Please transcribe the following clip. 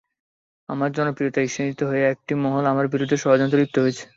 আমার জনপ্রিয়তায় ঈর্ষান্বিত হয়ে একটি মহল আমার বিরুদ্ধে ষড়যন্ত্রে লিপ্ত হয়েছে।